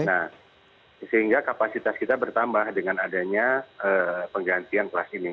nah sehingga kapasitas kita bertambah dengan adanya penggantian kelas ini